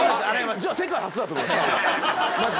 じゃあ世界初だと思いますマジで。